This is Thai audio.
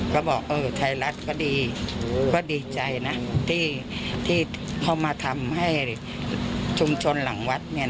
ก็บอกเออไทยรัฐก็ดีก็ดีใจนะที่เขามาทำให้ชุมชนหลังวัดเนี่ย